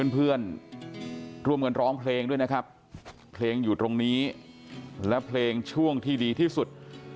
เพื่อนร่วมกันร้องเพลงด้วยนะครับเพลงอยู่ตรงนี้และเพลงช่วงที่ดีที่สุด